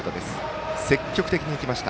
積極的にいきました。